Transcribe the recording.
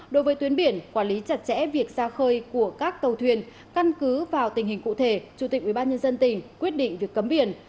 đối với tuyến biển quản lý chặt chẽ việc ra khơi của các tàu thuyền căn cứ vào tình hình cụ thể chủ tịch ubnd tỉnh quyết định việc cấm biển